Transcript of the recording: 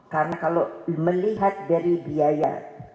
karena kalau melihat dari biaya